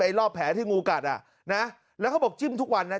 รอบแผลที่งูกัดอ่ะนะแล้วเขาบอกจิ้มทุกวันนะ